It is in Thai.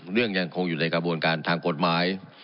ยังคงอยู่ในกระบวนการทางกฎหมาย